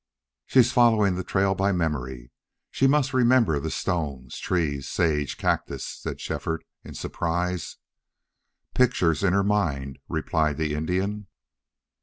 "She's following the trail by memory she must remember the stones, trees, sage, cactus," said Shefford in surprise. "Pictures in her mind," replied the Indian.